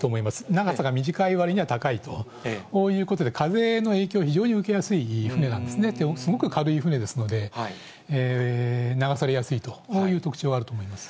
長さが短いわりには高いということで、風の影響を非常に受けやすい船なんですね、すごく軽い船ですので、流されやすいという特徴があると思います。